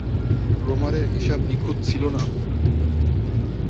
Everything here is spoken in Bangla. রোমারের হিসাব নিখুঁত ছিল না।